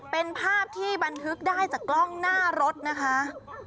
เป็นภาพที่บันทึกได้จากกล้องหน้ารถนะคะ